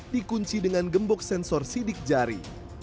dikunci dengan gembok sensor sidik jari